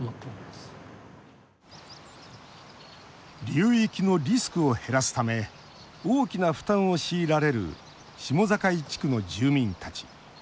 流域のリスクを減らすため大きな負担を強いられる下境地区の住民たち。